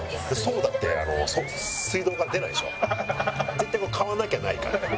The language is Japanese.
絶対買わなきゃないから。